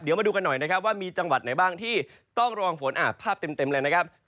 เดี๋ยวมาดูกันหน่อยนะครับว่ามีจังหวัดไหนบ้างที่ต้องระวังฝนภาพเต็มเลยนะครับ